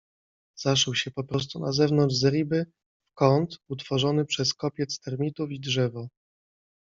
Zaszył się poprostu na zewnątrz zeriby, w kąt, utworzony przez kopiec termitów i drzewo.